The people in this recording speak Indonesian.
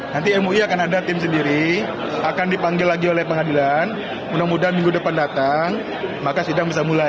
nanti mui akan ada tim sendiri akan dipanggil lagi oleh pengadilan mudah mudahan minggu depan datang maka sidang bisa mulai